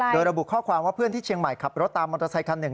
โดยระบุข้อความว่าเพื่อนที่เชียงใหม่ขับรถตามมอเตอร์ไซคันหนึ่ง